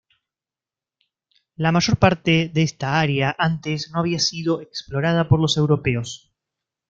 La mayor parte de esta área antes no había sido explorada por los europeos.